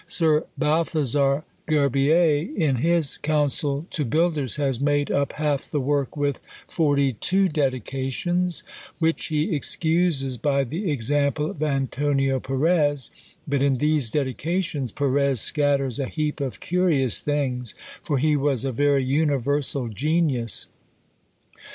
Sir Balthazar Gerbier, in his "Counsel to Builders," has made up half the work with forty two dedications, which he excuses by the example of Antonio Perez; but in these dedications Perez scatters a heap of curious things, for he was a very universal genius.